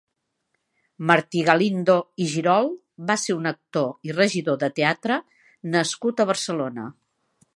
Martí Galindo i Girol va ser un actor i regidor de teatre nascut a Barcelona.